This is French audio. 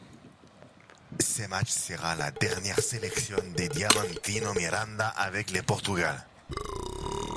Ce match sera la dernière sélection de Diamantino Miranda avec le Portugal.